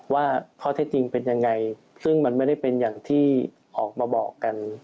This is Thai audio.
ว่าข้อเท็จจริงเป็นยังไงซึ่งมันไม่ได้เป็นอย่างที่ออกมาบอกกัน